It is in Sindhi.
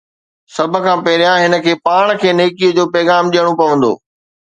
سڀ کان پهريان، هن کي پاڻ کي نيڪي جو پيغام ڏيڻو پوندو.